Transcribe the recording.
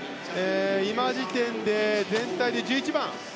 今時点で、全体で１１番。